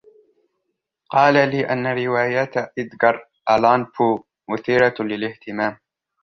قال لي أن روايات إيدغر آلان بو مثيرة للإهتمام.